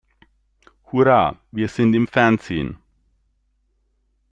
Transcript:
Hurra, wir sind im Fernsehen!